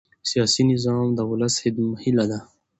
سیاسي نظام د ولس هیله ده